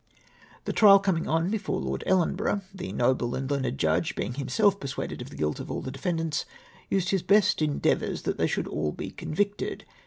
" The trial coming on before Lord Ellenborough, the noble and learned Judge, being himself persuaded of the guilt of all the defendants, used his best endeavours that they should all be convicted.